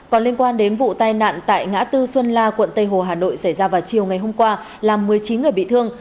còn liên quan đến vụ tai nạn tại ngã tư xuân la quận tây hồ hà nội xảy ra vào chiều ngày hôm qua làm một mươi chín người bị thương